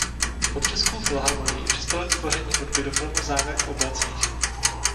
Pod Českou filharmonií přispěl k tvoření hudby do filmu Zámek v oblacích.